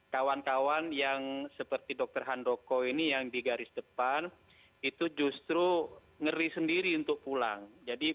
kalau misalnya dari sejak dokter keluar dari rumah sakit